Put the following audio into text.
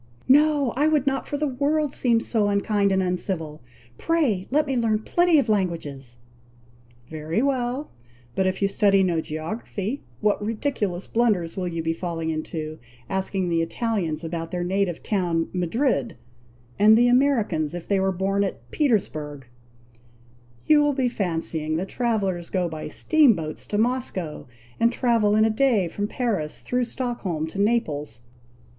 "No! I would not for the world seem so unkind and uncivil. Pray, let me learn plenty of languages." "Very well! but if you study no geography, what ridiculous blunders you will be falling into! asking the Italians about their native town Madrid, and the Americans if they were born at Petersburgh. You will be fancying that travellers go by steam boats to Moscow, and travel in a day from Paris, through Stockholm to Naples.